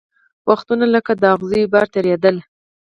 وختونه لکه د اغزیو باره تېرېدل